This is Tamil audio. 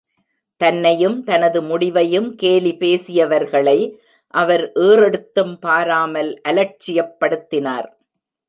தன்னையும் தனது முடிவையும் கேலி பேசியவர்களை அவர் ஏறெடுத்தும் பாராமல் அலட்சியப்படுத்தினார்!